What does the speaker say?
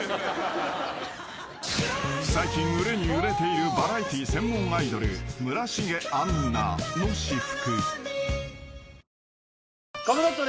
［最近売れに売れているバラエティー専門アイドル村重杏奈の私服］